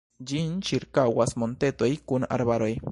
Ĝin ĉirkaŭas montetoj kun arbaroj.